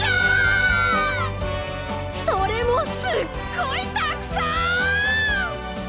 それもすっごいたくさん！